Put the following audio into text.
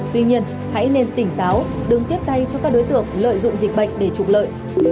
tuy nhiên hãy nên tỉnh táo đừng tiếp tay cho các đối tượng lợi dụng dịch bệnh để trục lợi